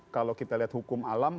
kalau kita lihat hukum alam